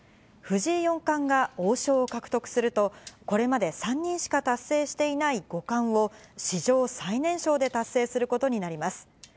藤井四冠が王将を獲得すると、これまで３人しか達成していない五冠を、史上最年少で達成することになります。